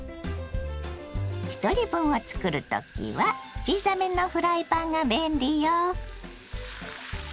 ひとり分を作る時は小さめのフライパンが便利よ。